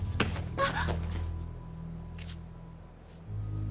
あっ。